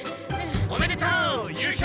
おめでとう優勝！